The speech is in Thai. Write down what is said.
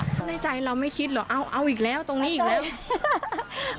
ถ้าในใจเราไม่คิดหรอกเอาเอาอีกแล้วตรงนี้อีกแล้ว